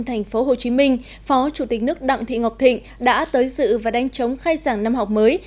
tp hcm phó chủ tịch nước đặng thị ngọc thịnh đã tới dự và đánh chống khai giảng năm học mới